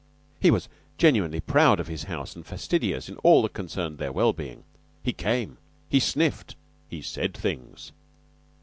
He was genuinely proud of his house and fastidious in all that concerned their well being. He came; he sniffed; he said things.